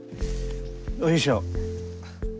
よいしょ。